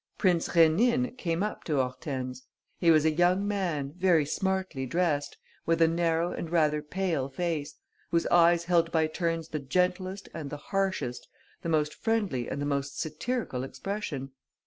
Prince Rénine came up to Hortense. He was a young man, very smartly dressed, with a narrow and rather pale face, whose eyes held by turns the gentlest and the harshest, the most friendly and the most satirical expression.